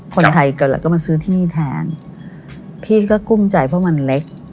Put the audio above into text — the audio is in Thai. คนไทยเกิดแล้วก็มาซื้อที่นี่แทนพี่ก็กุ้มใจเพราะมันเล็ก